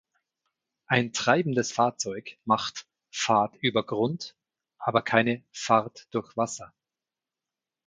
Ein treibendes Fahrzeug macht "Fahrt über Grund", aber keine "Fahrt durch Wasser".